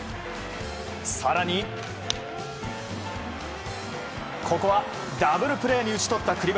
更に、ここはダブルプレーに打ち取った栗林。